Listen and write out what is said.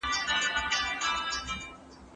غړي د کرنې د پراختيا لپاره طرحې جوړوي.